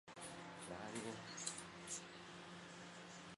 赐郑璩素六十匹。